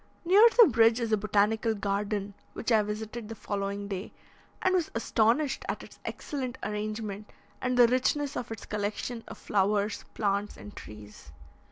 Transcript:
Near the bridge is a botanical garden which I visited the following day, and was astonished at its excellent arrangement, and the richness of its collection of flowers, plants, and trees.